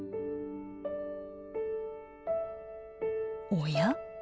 おや？